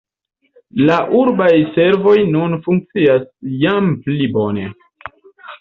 La urbaj servoj nun funkcias jam pli bone.